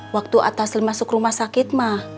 waktu atasnya masuk rumah sakit ma